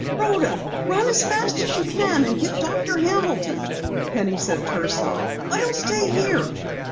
"Rhoda, run as fast as you can and get Doctor Hamilton," Penny said tersely. "I'll stay here."